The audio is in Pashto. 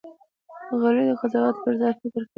غلی، د قضاوت پر ځای فکر کوي.